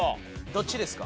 どっちですか？